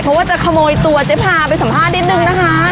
เพราะจะคโมยตัวว่าเจภามาสัมภาษณ์นิดนึงนะครับ